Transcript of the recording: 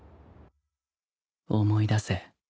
思い出せ